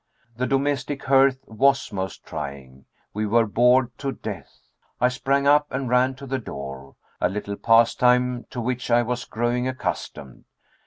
The domestic hearth was most trying. We were bored to death. I sprang up and ran to the door, a little pastime to which I was growing accustomed.